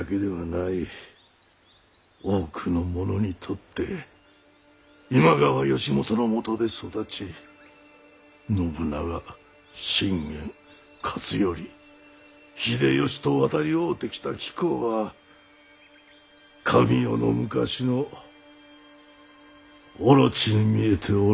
多くの者にとって今川義元のもとで育ち信長信玄勝頼秀吉と渡り合うてきた貴公は神代の昔のオロチに見えておろう。